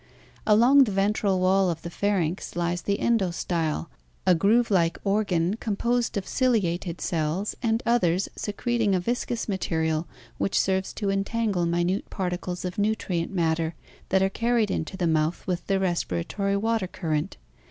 Along the ventral wall of the pharynx lies the endostyle, a groove like organ composed of ciliated cells and others secreting a viscous material which serves to entangle minute particles of nutrient matter that are carried into the mouth with the respiratory water current.